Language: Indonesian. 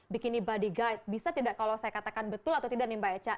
bikini padegat bisa tidak kalau saya katakan betul atau tidak nih mbak echa